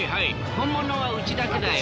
本物はうちだけだよ。